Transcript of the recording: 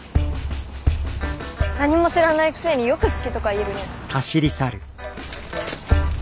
何も知らないくせによく好きとか言えるね。